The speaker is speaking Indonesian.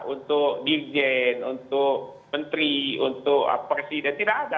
untuk dirjen untuk menteri untuk presiden tidak ada